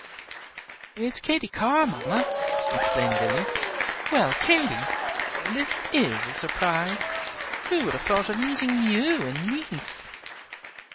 "It is Katy Carr, mamma," explained Lilly. "Well, Katy, this is a surprise! Who would have thought of meeting you in Nice!"